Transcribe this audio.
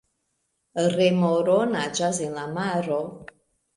Remoro naĝas en la maro.